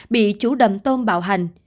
bị chủ đầm tôm bạo hành